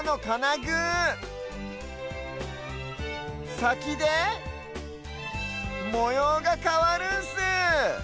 さきでもようがかわるんす。